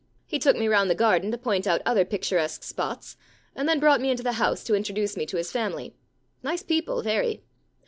He took me round the garden to point out other picturesque spots, and then brought me into the house to introduce me to his family. Nice people, very.